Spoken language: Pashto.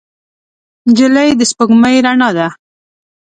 نجلۍ د سپوږمۍ رڼا ده.